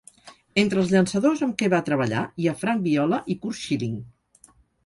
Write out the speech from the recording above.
Entre els llançadors amb què va treballar, hi ha Frank Viola i Curt Schilling.